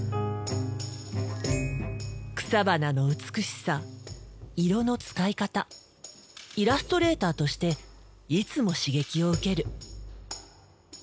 草花の美しさ色の使い方イラストレーターとしていつも刺激を受ける。